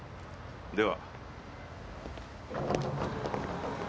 では。